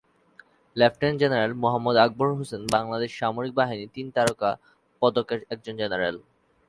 Lieutenant general Mohammad Akbar Hossain Bangladesh সামরিক বাহিনীর তিন তারকা পদক এর একজন জেনারেল।